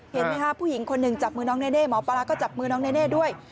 เห็นไหมคะผู้หญิงคนหนึ่งจับมือน้องเน่หมอปลาก็จับมือน้องเนเน่ด้วย